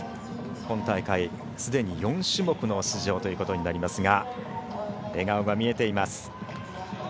今大会、すでに４種目の出場となりますが笑顔が見えています。